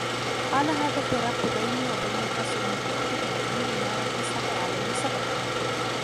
قال هذا فراق بيني وبينك سأنبئك بتأويل ما لم تستطع عليه صبرا